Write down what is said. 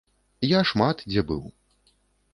Я шмат, дзе быў.